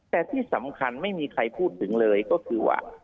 แต่ที่สำคัญไม่มีใครพูดถึงเลยก็คือว่า